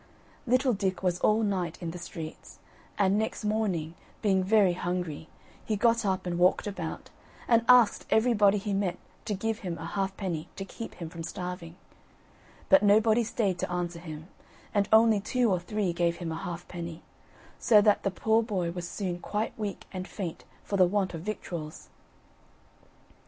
Little Dick was all night in the streets; and next morning, being very hungry, he got up and walked about, and asked everybody he met to give him a halfpenny to keep him from starving; but nobody stayed to answer him, and only two or three gave him a halfpenny; so that the poor boy was soon quite weak and faint for the want of victuals.